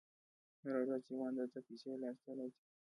هره ورځ یوه اندازه پیسې لاس ته راځي